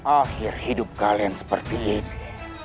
akhir hidup kalian seperti ini